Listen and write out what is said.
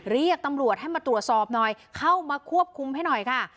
เรียกตำรวจให้มาตรวจสอบหน่อยเข้ามาควบคุมให้หน่อยค่ะ